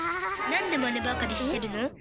なんでマネばかりしてるの？